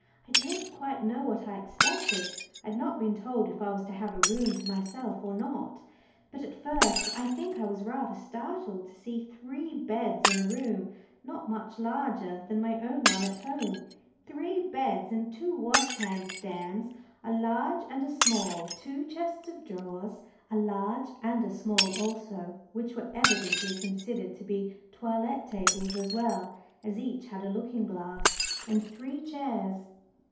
I don't quite know what I expected. I had not been told if I was to have a room to myself or not. But at first I think I was rather startled to see three beds in a room not much larger than my own one at home three beds and two wash hand stands, a large and a small, two chests of drawers, a large and a small also, which were evidently considered to be toilet tables as well, as each had a looking glass, and three chairs.